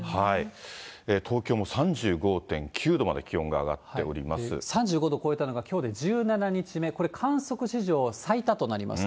東京も３５．９度まで気温が３５度を超えたのがきょうで１７日目、これ、観測史上最多となります。